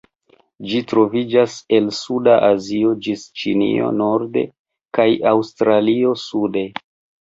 Ĝi troviĝas el suda Azio, ĝis Ĉinio norde kaj Aŭstralio sude.